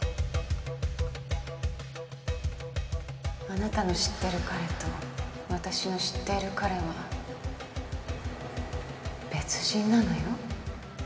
あなたの知ってる彼と私の知っている彼は別人なのよ